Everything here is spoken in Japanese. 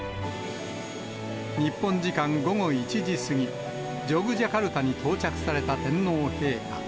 日本時間午後１時過ぎ、ジョグジャカルタに到着された天皇陛下。